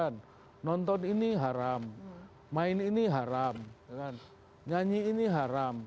nonton ini haram main ini haram nyanyi ini haram